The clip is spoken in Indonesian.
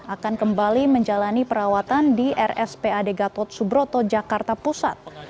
akan kembali menjalani perawatan di rspad gatot subroto jakarta pusat